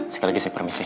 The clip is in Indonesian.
sekali lagi saya permisi